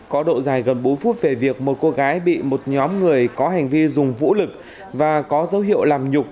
có độ dài gần bốn phút về việc một cô gái bị một nhóm người có hành vi dùng vũ lực và có dấu hiệu làm nhục